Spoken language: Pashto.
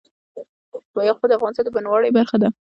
یاقوت د افغانستان د بڼوالۍ برخه ده.